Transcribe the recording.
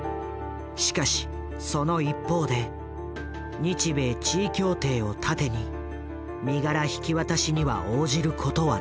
しかしその一方で日米地位協定を盾に身柄引き渡しには応じることはなかった。